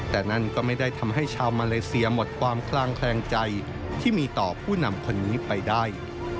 แต่นั่นก็ไม่ได้ทำให้ชาวมาเลเซียหมดความคลางแคลงใจที่มีต่อผู้นำคนนี้ไปได้